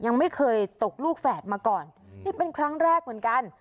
ยังไม่เคยตกลูกแฝดมาก่อนนี่เป็นครั้งแรกเหมือนกัน